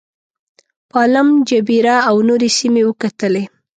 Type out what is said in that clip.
پالم جبیره او نورې سیمې وکتلې.